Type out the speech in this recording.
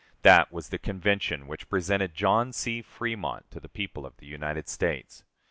That was the Convention which presented John C. Fremont to the people of the United States.